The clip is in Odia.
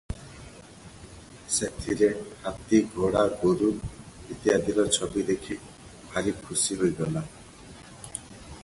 ସେଥିରେ ହାତୀ, ଘୋଡ଼ା, ଗୋରୁ ଇତ୍ୟାଦିର ଛବି ଦେଖି ଭାରି ଖୁସି ହୋଇଗଲା ।